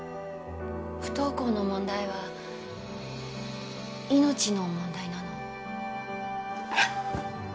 不登校の問題は命の問題なの。